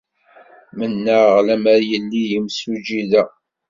Mennaɣ lemmer yelli yimsujji da.